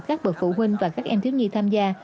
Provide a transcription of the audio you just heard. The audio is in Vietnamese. các bậc phụ huynh và các em thiếu nhi tham gia